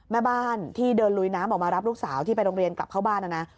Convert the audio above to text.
แม่บ้านที่เดินลุยน้ำออกมารับลูกสาวที่ไปโรงเรียนกลับเข้าบ้านนะนะ